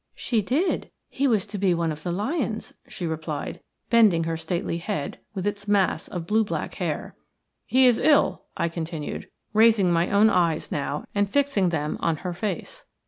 "She did; he was to be one of the lions," she replied, bending her stately head, with its mass of blue black hair. "He is ill," I continued, raising my own eyes now and fixing them on her face.